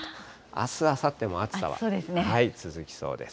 あす、あさっても暑さは続きそうです。